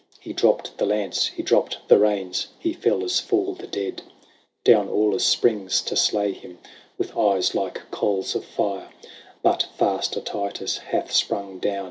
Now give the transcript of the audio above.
He dropped the lance : he dropped the reins He fell as fall the dead. Down Aulus springs to slay him. With eyes like coals of fire ; But faster Titus hath sprung down.